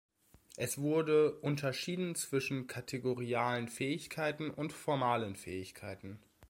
Es wurde unterschieden zwischen kategorialen Fähigkeiten und formalen Fähigkeiten.